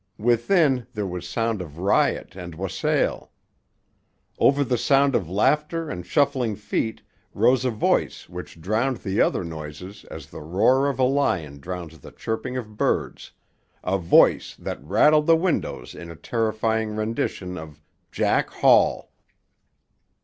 Within there was sound of riot and wassail. Over the sound of laughter and shuffling feet rose a voice which drowned the other noises as the roar of a lion drowns the chirping of birds, a voice that rattled the windows in a terrifying rendition of "Jack Hall."